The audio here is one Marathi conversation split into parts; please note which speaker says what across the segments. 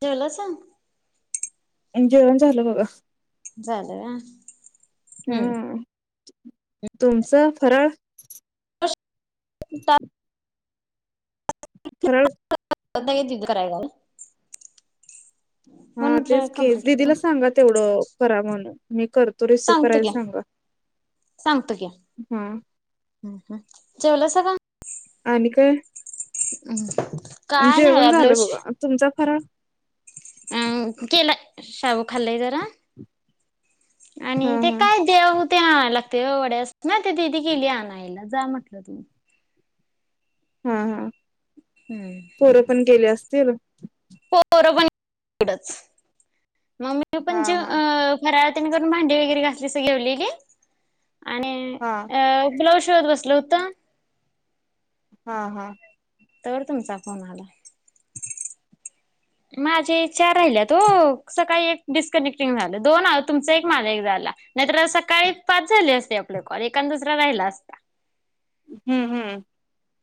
Speaker 1: जेवायला सांग..
Speaker 2: एनजॉय पण झाल बघा
Speaker 1: झाल आ हम्म!
Speaker 2: तुमच फरळ [inaudible]
Speaker 1: टास्क [unintelligible] म्हणून
Speaker 2: हा
Speaker 1: म्हटलं
Speaker 2: तेच केस
Speaker 1: कंप्लीट करू
Speaker 2: दिदीला सांगा तेवढ करा म्हणू... मी करतो रिसिव्ह
Speaker 1: सांगतो
Speaker 2: करायला
Speaker 1: की
Speaker 2: सांगा...
Speaker 1: सांगतो की
Speaker 2: हम्म
Speaker 1: जेवला स का?
Speaker 2: आणि काय
Speaker 1: हम्म काय नाही
Speaker 2: जेवण
Speaker 1: बघा
Speaker 2: झालं
Speaker 1: ब्लाउस....
Speaker 2: तुमचा फराळ
Speaker 1: अम अ केला शाबू खाल्लाय जरा आणि
Speaker 2: हा
Speaker 1: ते
Speaker 2: हा
Speaker 1: काय देव हो ते आणायला लागते व वड्यास ना ते दिदि गेली आणायला जा म्हटल तु
Speaker 2: ह हं पोर पण गेले अस तेल
Speaker 1: पोरं पण वढच. मम्मी
Speaker 2: हा
Speaker 1: पण जे
Speaker 2: हा
Speaker 1: अ मंडला त्यांनी करून भांडी वगरे घासली जेवलेली. आणि
Speaker 2: हा
Speaker 1: अ ब्लाउज खेळत बसल होत
Speaker 2: हा हा
Speaker 1: तर तुमचा फोन आला. माझे चार राहिल्यात ओ सकाळी एक डिस्कनेक्टिंग झाल दोन तुमचा एक माझा एक झाला नाहीतर सकाळी पाच झाली असते आपले कॉल एक आण दुसरा राहिला असता
Speaker 2: हम्म हम्म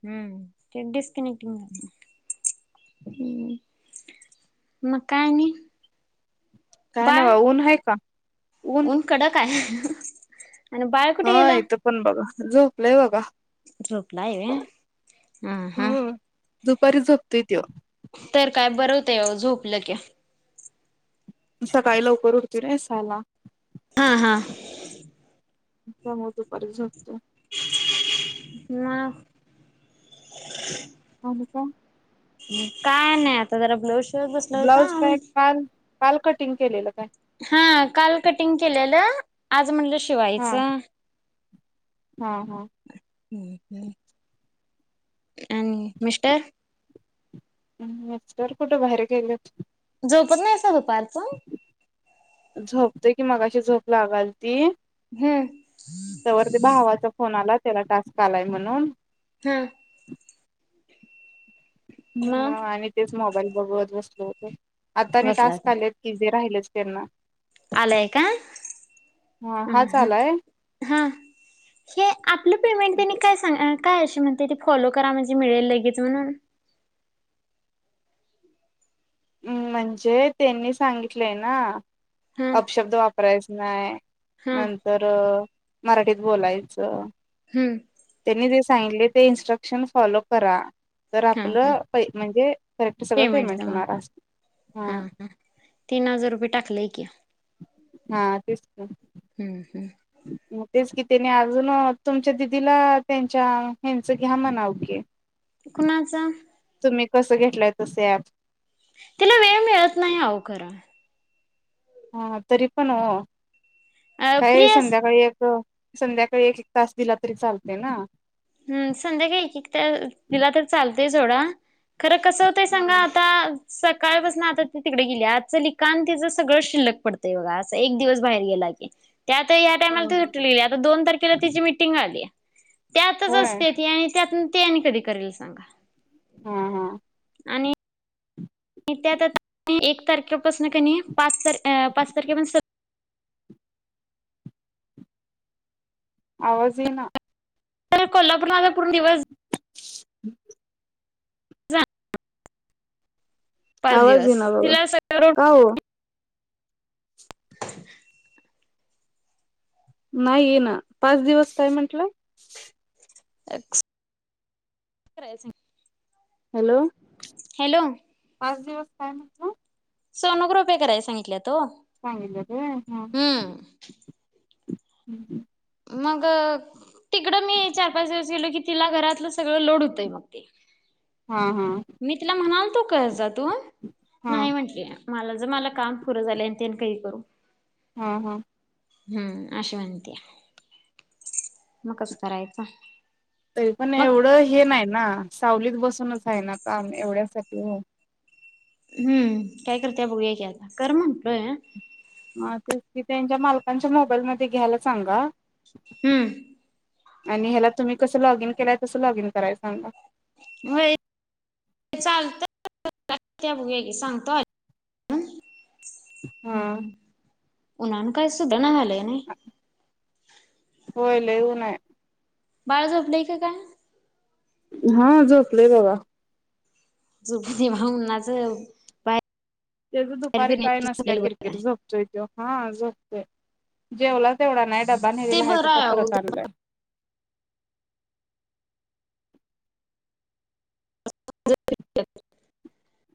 Speaker 1: हम्म ते डिस्कनेकटिंग हम्म मग काय आणि?
Speaker 2: काय नाइ बाबा ऊन हाय का?
Speaker 1: ऊन कडक हाय. [inaudible]
Speaker 2: व्हय इथ पण बघा. झोपलय बघा.
Speaker 1: झोपलाय व्हय हं हं
Speaker 2: हम्म दुपारी झोपत्योय तो
Speaker 1: काय बरं होतं ओ झोपले की.
Speaker 2: सकाळी लवकर उठतय नई सहा ला.
Speaker 1: हां हां
Speaker 2: त्यामुळ दुपारी झोपतोय.
Speaker 1: मग
Speaker 2: आणि काय?
Speaker 1: हम्म काय नाही आता जरा ब्लाउज
Speaker 2: ब्लाऊज काय काल काल कटिंग केलेलं काय?
Speaker 1: हा काल कटिंग केलेलं आज म्हणलं शि
Speaker 2: हा हां हां
Speaker 1: [inaudible] आणि मिस्टर?
Speaker 2: हम्म हम्म मिस्टर कुठं बाहेर गेल्यात.
Speaker 1: झोपत नाहीसा बघ पारतून
Speaker 2: झोपतोय की मगाशी झोप लागाल ती
Speaker 1: हम्म
Speaker 2: तोवर ते भावाचा फोन आला त्याला टास्क आलाय म्हणून
Speaker 1: हा
Speaker 2: हं
Speaker 1: मग
Speaker 2: आणि तेच मोबाईल बघत बसलो होतो. [inaudible] आत्ता आणि
Speaker 1: बसला
Speaker 2: टास्क
Speaker 1: होता
Speaker 2: आल्यात की. ते राहिलंच त्यांना.
Speaker 1: आलाय का हं
Speaker 2: हा हाच आलाय
Speaker 1: हम्म हां ते आपलं पेमेंट त्यांनी काय सांग काय अशी म्हणते ती फॉलो करा की म्हणजे मिळेल लगेच म्हणून.
Speaker 2: म्हणजे त त्यांनी सांगितलंय ना.
Speaker 1: हा
Speaker 2: अप शब्द वाप प्रश्न आहे.
Speaker 1: हा
Speaker 2: नंतर रं मराठीत बोलायचं.
Speaker 1: हम्म
Speaker 2: त्यांनी जे सांगितले ते इनस्ट्रक्शन फॉलो करा. तर
Speaker 1: हा हा
Speaker 2: आपलं पय म्हणजे करेक्ट सगळं
Speaker 1: तर
Speaker 2: पेमेंट होणार
Speaker 1: मागते
Speaker 2: अस हा
Speaker 1: तीन हजार रुपये टाकलेय की
Speaker 2: हा तेच
Speaker 1: हम्म हम्म
Speaker 2: मग तेच की त्यानी अजून तुमच्या दिदीला त्यांच्या ह्यांच घ्या म्हणाव की
Speaker 1: कुणाचा?
Speaker 2: तुम्ही कसं घेतलंय तसं ऍप
Speaker 1: तिला वेळ मिळत नाही अहो खरं
Speaker 2: हा तरी पण ओ
Speaker 1: फ्री
Speaker 2: काय
Speaker 1: अस
Speaker 2: संध्याकाळी एक अ संध्याकाळी एक एक तास दिला तरी चालते ना?
Speaker 1: हम्म संध्याकाळी एक एक तास दिला तर चालतय सोडा खरं कसं होतंय सांगा आता सकाळपासन आता ती तिकडं गेलया आजचं लिखाण तिचं सगळं शिल्लक पडतंय बघा असं एक दिवस बाहेर गेला की त्यात हया टाईमला ती सुट्टीला गेल्या आता दोन तारखेला तिची मिटिंग आल्या. त्यातच
Speaker 2: होय
Speaker 1: असत्या ती आणि त्यातून ते आणि कधी करेल सांगा?
Speaker 2: हा हा
Speaker 1: आणि आणि त्यात आ [inaudible] एक तारखेपासन कनी पाच तार अं पाच तारखेपर्यंत स
Speaker 2: आवाज येई ना.
Speaker 1: काल कोल्हापूरला आलोय पूर्ण दिवस
Speaker 2: रिकामा ऑडिओ
Speaker 1: जाणार पाच
Speaker 2: आवाज
Speaker 1: दिवस
Speaker 2: येईना बघा
Speaker 1: तिला सगळं रोड
Speaker 2: का ओ?
Speaker 1: [inaudible]
Speaker 2: नाही येईना पाच दिवस काय म्हटला?
Speaker 1: [unintelligible]
Speaker 2: हॅलो
Speaker 1: हॅलो
Speaker 2: [unintelligible]
Speaker 1: सोनोग्राफी करायला सांगितल्यात. तो
Speaker 2: सांगितलं ते
Speaker 1: हूं
Speaker 2: [inaudible]
Speaker 1: मग तिकड मी चार पाच दिवस गेलो की तिला घरातलंस सगळं लोड होतय मग ते
Speaker 2: हा हा
Speaker 1: मी तिला म्हणालतो कर जात [unintelligible]
Speaker 2: हा हा
Speaker 1: माझं मला काम पुरं झाले आणि ते आणि कधी करू?
Speaker 2: हा हा
Speaker 1: हम्म अशी म्हणती मग कस करायचं
Speaker 2: तरी पण
Speaker 1: मग
Speaker 2: एवढं हे नाही ना सावलीत बसूनच आहे ना काम एवढ्यासाठी
Speaker 1: हूं काय करतय बघूया की आता कर म्हंटलोय
Speaker 2: हा ते ते त्यांच्या मालकांच्या मोबाईल मध्ये घ्यायला सांगा
Speaker 1: हम्म
Speaker 2: आणि ह्याला तुम्ही कसं लॉगइन केलाय तसं लॉग इन करायच सांगा.
Speaker 1: होय चालतय बघूया की सांगतोय ऐकून
Speaker 2: हा
Speaker 1: हम उन्हान काय सुधणा झाले नाही.
Speaker 2: होय लय ऊन हाय
Speaker 1: बाळ झोपलय का काय
Speaker 2: हा झोपलोय बघा.
Speaker 1: झोपू दे उन्हाचं बाहेर
Speaker 2: त्याज दुपारी काय
Speaker 1: फिरण्यापेक्षा
Speaker 2: नसतय
Speaker 1: झोपलेलं बरं
Speaker 2: किरकिर
Speaker 1: आहे
Speaker 2: झोपतोय तो हा झोप जेवलात तेवढा नाही डब्बा
Speaker 1: ते
Speaker 2: नेलेला आहे
Speaker 1: बरं
Speaker 2: तसा
Speaker 1: अहो
Speaker 2: परत आणलाय.
Speaker 1: [inaudible]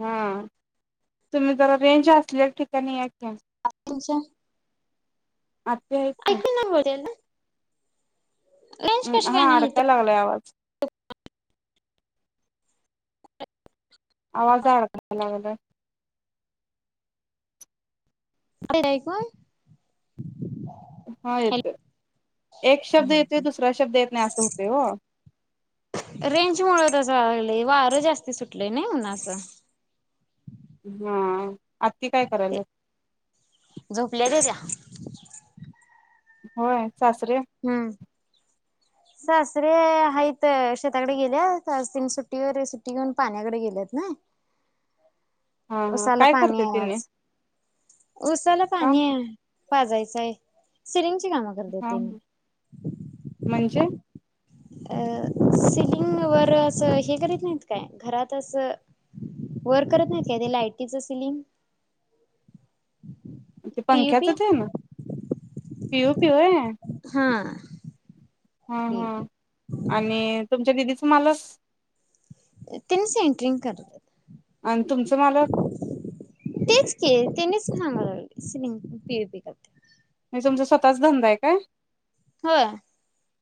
Speaker 2: हा तुम्ही जरा रेंज असलेल्या ठिकाणी या की
Speaker 1: तेच्या
Speaker 2: रिकामा ऑडिओ
Speaker 1: ऐकू ना बोलेल रेंज
Speaker 2: हम्
Speaker 1: कशी
Speaker 2: हा
Speaker 1: काय नाही
Speaker 2: अडकायला लागलाय आवाज आवाज अडकायला लागलाय.
Speaker 1: आलं नाही आयकू
Speaker 2: हा येतोय एक शब्द
Speaker 1: हम्म
Speaker 2: येतोय
Speaker 1: हम्म.
Speaker 2: दुसरा शब्द येत नाही असं होतय ओ.
Speaker 1: रेंज मुळं तसं व्हायला लागले वार लई सुटलय नाही उन्हाचं.
Speaker 2: हम
Speaker 1: झोपल्याता त्या
Speaker 2: होय सासरे
Speaker 1: हम्म. सासरे हाईत शेताकडे गेल्यात आज तिन्ही सुट्टीवर हाईत सुट्टी घेऊन पाण्याकडे गेल्यात नई.
Speaker 2: हा हा
Speaker 1: उसाला
Speaker 2: काय
Speaker 1: पाणी
Speaker 2: करते
Speaker 1: आहे
Speaker 2: तिने
Speaker 1: आज उसाला
Speaker 2: काम
Speaker 1: पाणी हाय पाजायचं हाय सिलिंग किती काम करतात तेनी
Speaker 2: [unintelligible] [unintelligible]
Speaker 1: अ सिलिंग वर असं हे करीत नाहीत काय घरात असं वर करत नाहीत काय ते लायटीच सिलिंग.
Speaker 2: ते
Speaker 1: पी यू
Speaker 2: पंख्याच्
Speaker 1: पी
Speaker 2: तेन पि यो पी होय.
Speaker 1: हां
Speaker 2: हा हा आणि तुमच्या दिदीच मालस
Speaker 1: तेनी सेंट्रिंग करतात.
Speaker 2: आणि तुमचं मालक
Speaker 1: तेच की तेन्हीच सांगलेलं सिलिंग पी यो पी करत्यात.
Speaker 2: म्हणजे तुमचा, स्वतःचा धंदाआहे काय?
Speaker 1: होय!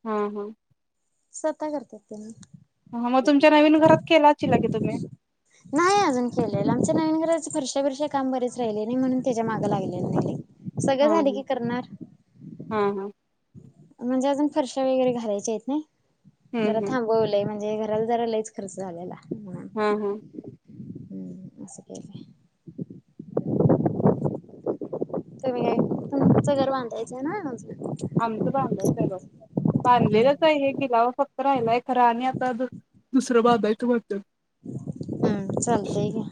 Speaker 2: हा हा
Speaker 1: सर काय [unintelligible]
Speaker 2: अहमद तुमच्या नवीन, घरात केला अचिला की तुम्ही?
Speaker 1: ह्या वर्षी हे काम बरेच राहिले नी म्हणून त्याच्या माग लागले नाहीये. सगळं
Speaker 2: हा
Speaker 1: झाल की करणार
Speaker 2: हा हा हा
Speaker 1: म्हणजे अजून फरश्या वगैरे घालायचेत नाई? जरा
Speaker 2: हम्म हम्म
Speaker 1: थांबवलंय म्हण. त्या घराला जरा लईच खर्च झालेला.
Speaker 2: हा हा!
Speaker 1: अस काय नई. तुम्ही काय तुमचं घर बांधायचं हाय ना?
Speaker 2: आमचं बांधायचं आहे बघ बांधलेलंच आहे
Speaker 1: हम्म
Speaker 2: हे गिलाव फक्त राहिलाय खरां, आणि आता दुसरं बाधांयच म्हणत्यात.
Speaker 1: हम्म चालतंय घ्या.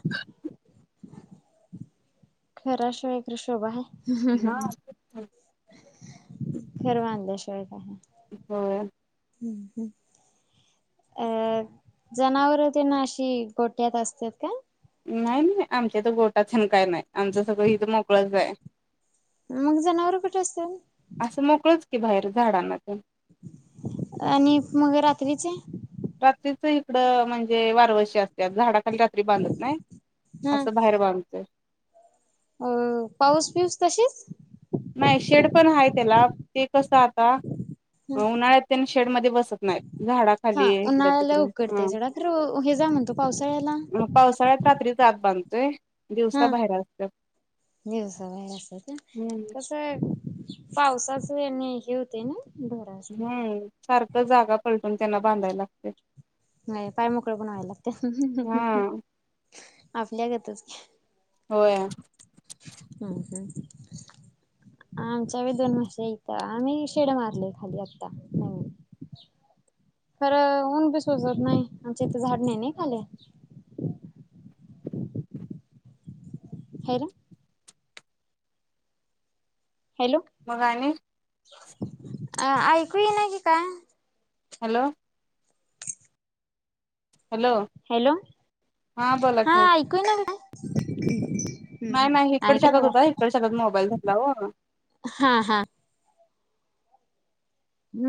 Speaker 1: घरा शिवाय तरी शोभ हाय?
Speaker 2: [inaudible]
Speaker 1: घर बांदाय पाहिजे.
Speaker 2: [unintelligible]
Speaker 1: अ जनावर तेन अशी गोठ्यात असत्यात काय?
Speaker 2: नाही नाही आमच्या तर गोटातेन काय नाही. आमचं सगळं हित मोकळच आहे.
Speaker 1: मग जनावर कुठे असत्यात?
Speaker 2: असं मोकळच की बाहेर झाडांना तेन.
Speaker 1: आणि मग रात्री चे?
Speaker 2: रात्रीच इकड म्हणजे वारवशी असतात झाडा खाली रात्री बांधत नाही
Speaker 1: हा
Speaker 2: असं बाहेर बांधतोय.
Speaker 1: अ पाऊस पीऊस कशी
Speaker 2: नाय शेड पण हाय त्याला ते कसं आता तो नाय तेन शेड मध्ये बसत नाय
Speaker 1: हा उन्हाळ्या लय उकडतय जेवढा तर हे जा म्हणतो पावसाळ्याला
Speaker 2: त्यात बांधतोय
Speaker 1: हा
Speaker 2: दिवसा बाहेर असतात
Speaker 1: दिवसा बाहेर असतात का
Speaker 2: हम्म
Speaker 1: कस व्हय पावसाचणे हे होते ना ढोरा
Speaker 2: हम्म सारख जागा पलटून त्यांना बांधायला लागते.
Speaker 1: नाही पाय मोकळे करायला
Speaker 2: हा
Speaker 1: लागते. आपल्या गतच
Speaker 2: होय
Speaker 1: हम् ह आमच्या व दोन म्हशी इथं आम्ही शेड मारले खरं ऊन बी सोसत नाही आमच्या इथं झाड नाही ना खाली. हेट हॅलो
Speaker 2: मग आणि
Speaker 1: अ ऐकू ये ना की का
Speaker 2: हॅलो हॅलो
Speaker 1: हॅलो
Speaker 2: बोला
Speaker 1: हा
Speaker 2: की
Speaker 1: ऐकू येई ना का हम्
Speaker 2: नाही नाही
Speaker 1: आणि
Speaker 2: इकडच्यागत
Speaker 1: काय
Speaker 2: होता इकडच्या हातात मोबाईल होता ओ
Speaker 1: हा हा म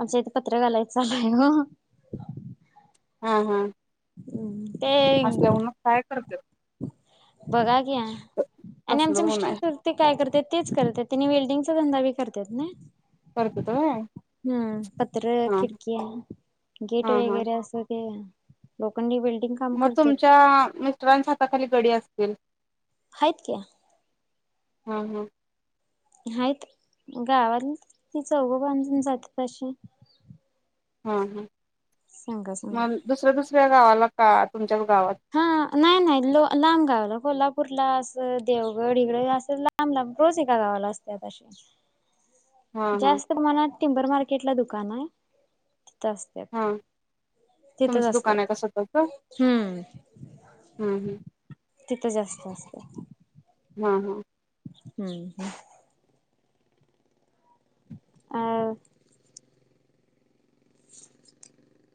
Speaker 1: आमचं इथे पत्र घालायचंय ओ.
Speaker 2: हा हा
Speaker 1: हम् ते
Speaker 2: असल्या मग काय करत्यात
Speaker 1: बघा घ्या आणि
Speaker 2: तसल
Speaker 1: आमचे
Speaker 2: ऊन आहे
Speaker 1: मिस्टर ते काय करत तेच करतेत. त्यांनी वेल्डिंगचा धंदा बी करतात ना
Speaker 2: करत्यात होय
Speaker 1: हम्म पत्र
Speaker 2: हा
Speaker 1: खिडकी गेट
Speaker 2: हा हा
Speaker 1: वगैरे असं ते लोकांनी बेळ
Speaker 2: मग तुमच्या मिस्टरांच्या हाताखाली कडी असतील
Speaker 1: हाईत की
Speaker 2: हम हम
Speaker 1: हायत गावात ती चौघं बांजून जातशी
Speaker 2: हा हा म दुसऱ्या दुसऱ्या गावाला काल
Speaker 1: हा नाही नाही लो लांब गावला कोल्हापुर कुर्ला असं देवगड इकडं हे असं लांब लांब रोज एका गावाला असत्यात अशे
Speaker 2: हा हा
Speaker 1: जास्त माण्यात टिंबर मार्केटला दुकान हाय
Speaker 2: हा
Speaker 1: तिथंच
Speaker 2: तुमचं दुकान आहे
Speaker 1: असतात
Speaker 2: का स्वतःच हम्म हम्म
Speaker 1: तिथं जास्त असतय
Speaker 2: हा हा
Speaker 1: हम्म हम आ अ [inaudible]